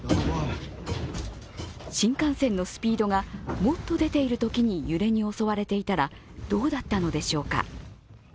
新幹線のスピードがもっと出ているときに揺れに襲われていたらどうだったのでしょうか。